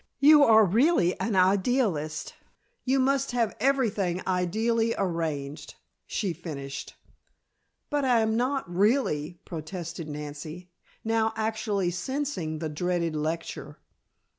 "You are really an idealist; you must have everything ideally arranged," she finished. "But I am not, really," protested Nancy, now actually sensing the dreaded lecture.